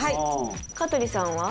香取さんは？